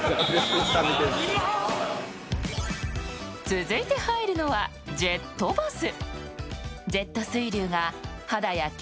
続いて入るのはジェットバス。